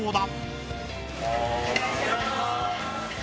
お願いします。